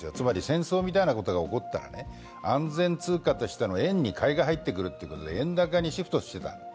つまり、戦争みたいなことが起こったら、安全通貨としての円に買いが入ってくるということで円高にシフトしてた。